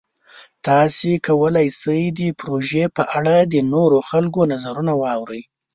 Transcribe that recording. تاسو کولی شئ د پروژې په اړه د نورو خلکو نظرونه واورئ.